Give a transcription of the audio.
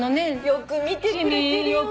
よく見てくれてるよね。